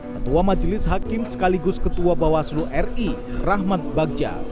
ketua majelis hakim sekaligus ketua bawaslu ri rahmat bagja